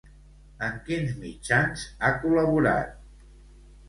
En quins mitjans ha col·laborat?